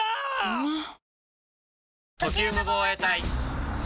うまっ！！